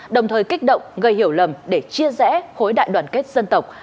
đồng thời kích động gây hiểu lầm để chia rẽ khối đại đoàn kết dân tộc